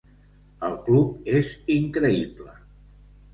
El club és increïble.